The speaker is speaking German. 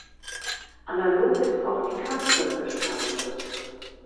Analog ist auch die Kanzel gestaltet.